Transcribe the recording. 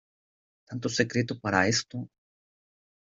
¿ tanto secreto para esto?